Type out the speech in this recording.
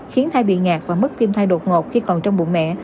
khiến thai bị ngạt và mất tim thai đột ngột khi còn trong bụng mẹ